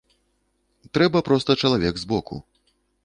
Трэба проста чалавек з боку.